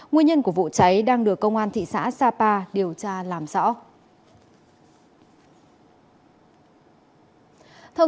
nguyên nhân của vụ cháy đang được công an thị xã sapa điều tra làm rõ